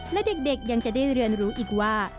และเด็กยังจะได้เรียนรู้อีกว่า